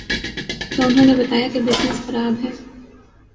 تو انہوں نے بتایا کہ بزنس خراب ہے۔